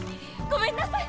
ごめんなさい！